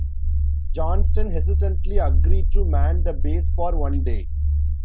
Johnston hesitantly agreed to man the base for one day.